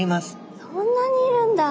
そんなにいるんだ。